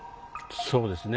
そうですね。